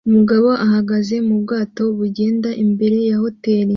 Umugabo ahagaze mu bwato bugenda imbere ya hoteri